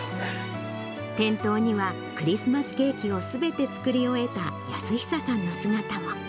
店頭には、クリスマスケーキをすべて作り終えた泰久さんの姿も。